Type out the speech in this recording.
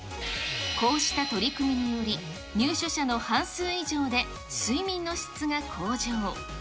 こうした取り組みにより、入所者の半数以上で、睡眠の質が向上。